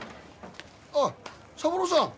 あっ三郎さん。